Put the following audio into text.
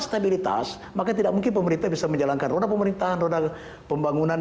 stabilitas maka tidak mungkin pemerintah bisa menjalankan roda pemerintahan roda pembangunan